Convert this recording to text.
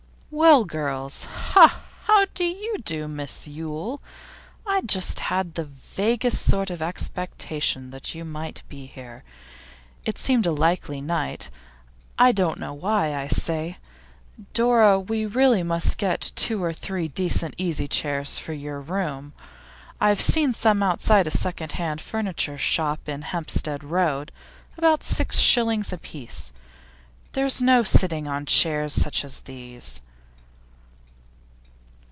'Well, girls! Ha! how do you do, Miss Yule? I had just the vaguest sort of expectation that you might be here. It seemed a likely night; I don't know why. I say, Dora, we really must get two or three decent easy chairs for your room. I've seen some outside a second hand furniture shop in Hampstead Road, about six shillings apiece. There's no sitting on chairs such as these.